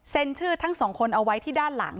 เซ็นชื่อทั้ง๒คนเอาไว้ที่ด้านหลัง